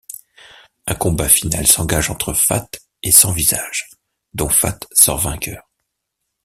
Un combat final s'engage entre Fat et Sans Visage, dont Fat sort vainqueur.